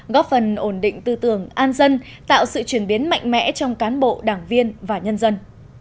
góp phần ổn định tư tưởng an dân tạo sự chuyển biến mạnh mẽ trong cán bộ đảng viên và nhân dân